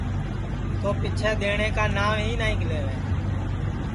تو پیچھیں ڌينڻْيں کا ناو ہی نائی لَیووے